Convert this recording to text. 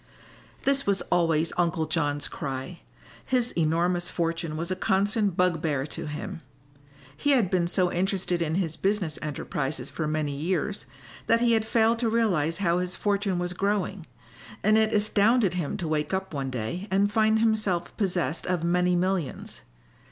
This was always Uncle John's cry. His enormous fortune was a constant bugbear to him. He had been so interested in his business enterprises for many years that he had failed to realize how his fortune was growing, and it astounded him to wake up one day and find himself possessed of many millions.